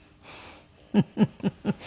フフフフ。